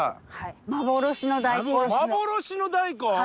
幻の大根？